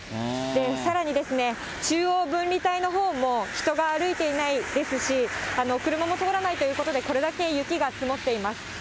さらに、中央分離帯のほうも人が歩いていないですし、車も通らないということで、これだけ雪が積もっています。